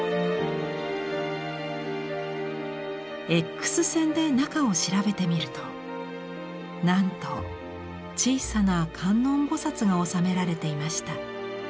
Ｘ線で中を調べてみるとなんと小さな観音菩が納められていました。